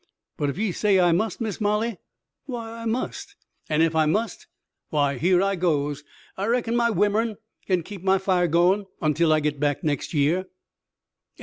But ef ye say I must, Miss Molly, why I must; an' ef I must, why here goes! I reckon my wimern kin keep my fire goin' ontel I git back next year." CHAPTER XL OREGON!